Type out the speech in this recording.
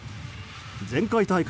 前回大会